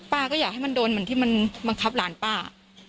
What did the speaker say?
ก็อยากให้มันโดนเหมือนที่มันบังคับหลานป้า